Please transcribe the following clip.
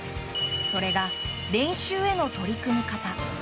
それが、練習への取り組み方。